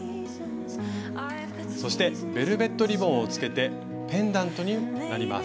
そしてベルベットリボンをつけてペンダントになります。